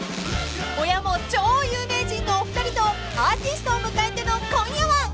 ［親も超有名人のお二人とアーティストを迎えての今夜は］はあ。